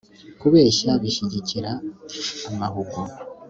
kubeshya bishyigikira amahugu